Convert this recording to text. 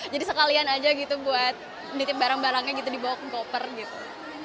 jadi sekalian aja gitu buat nitip barang barangnya gitu dibawa ke koper gitu